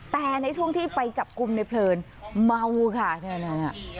แต่ในช่วงที่ไปจับกุมในเพลินเมาค่ะเนี่ยเนี่ยเนี่ย